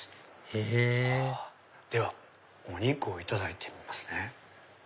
へぇではお肉をいただいてみますね。